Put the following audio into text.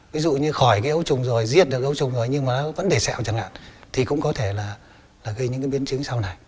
ví dụ như khỏi cái ấu trùng rồi giết được ấu trùng rồi nhưng mà nó vẫn để sẹo chẳng hạn thì cũng có thể là gây những cái biến chứng sau này